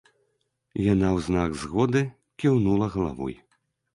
Яна ў знак згоды кіўнула галавой.